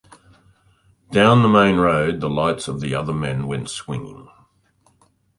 Down the main road the lights of the other men went swinging.